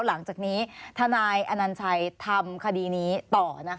หลังจากนี้ทนายอนัญชัยทำคดีนี้ต่อ